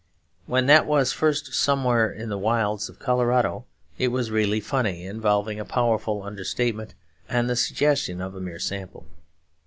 When that was first said, somewhere in the wilds of Colorado, it was really funny; involving a powerful understatement and the suggestion of a mere sample.